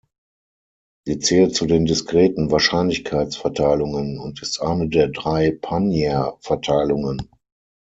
Sie zählt zu den diskreten Wahrscheinlichkeitsverteilungen und ist eine der drei Panjer-Verteilungen.